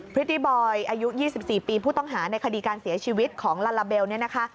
ฤติบอยอายุ๒๔ปีผู้ต้องหาในคดีการเสียชีวิตของลาลาเบลเนี่ยนะคะ